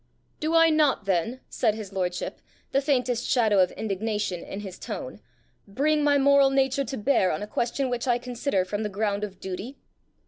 "Do I not then," said his lordship, the faintest shadow of indignation in his tone, "bring my moral nature to bear on a question which I consider from the ground of duty?"